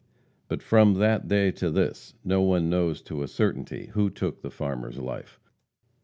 But from that day to this no one knows to a certainty who took the farmer's life.